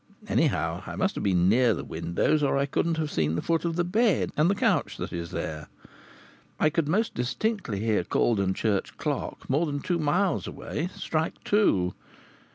Anyhow, I must have been near the windows, or I couldn't have seen the foot of the bed and the couch that is there. I could most distinctly hear Cauldon Church clock, more than two miles away, strike two.